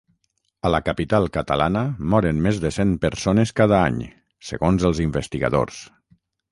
A la capital catalana moren més de cent persones cada any, segons els investigadors.